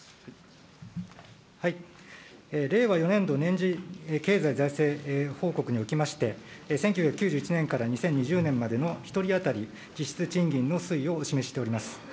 令和４年度年次経済財政報告におきまして、１９９１年から２０２０年までの１人当たり、実質賃金の推移をお示ししております。